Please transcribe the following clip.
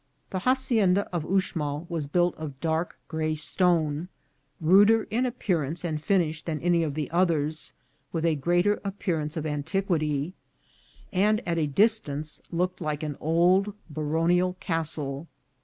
The hacienda of Uxmal was built of dark gray stone, ruder in appearance and finish than any of the others, with a greater appearance of antiquity, and at a distance looked like an old baronial castle.